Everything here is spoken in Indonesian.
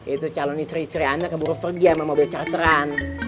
itu calon istri istri anak keburu pergi sama mobil charteran